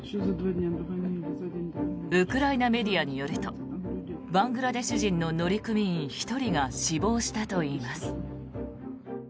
ウクライナメディアによるとバングラデシュ人の乗組員１人が死亡したといいます。